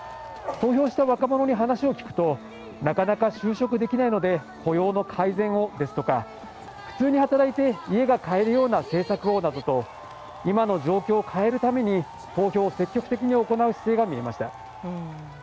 投票した若者に話を聞くとなかなか就職できないので雇用の改善をですとか普通に働いて家が買えるような政策をなど今の状況を変えるために投票を積極的に行う姿勢が見えました。